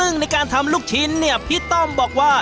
ในการทำลูกชิ้นพี่ต้อมบอกว่า